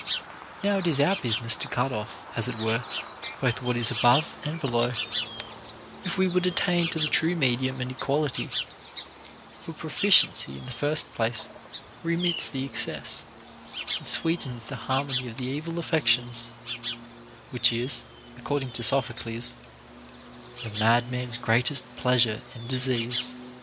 Now it is our business to cut off (as it were) both what is above and below, if we would attain to the true medium and equality ; for proficiency in the first place remits the excess, and sweetens the harmony of the evil affections, which is (according to Sophocles) The madman's greatest pleasure and disease.